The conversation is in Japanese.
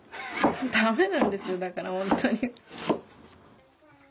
ダメなんですよだからホントに。